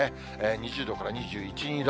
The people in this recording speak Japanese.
２０度から２１、２度。